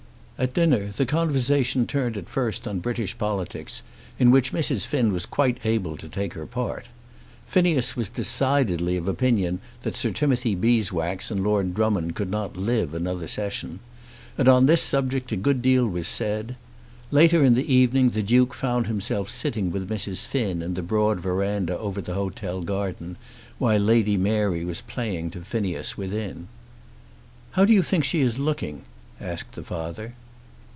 At dinner the conversation turned at first on British politics, in which Mrs. Finn was quite able to take her part. Phineas was decidedly of opinion that Sir Timothy Beeswax and Lord Drummond could not live another Session. And on this subject a good deal was said. Later in the evening the Duke found himself sitting with Mrs. Finn in the broad verandah over the hotel garden, while Lady Mary was playing to Phineas within. "How do you think she is looking?" asked the father.